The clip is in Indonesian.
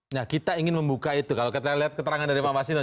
nah kita ingin membuka itu kalau kita lihat keterangan dari pak mas hinton